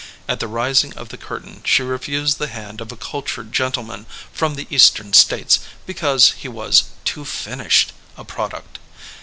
At the rising of the curtain she refused the hand of a cultured gentleman from the eastern states because he was *Hoo finished" a product.